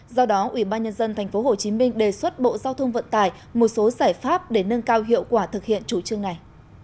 do đó ubnd tp hcm đề xuất bộ giao thông vận tải một số giải pháp để nâng cao hiệu quả thực hiện chủ trương này